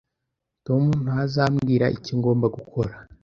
Tom ntazambwira icyo ngomba gukora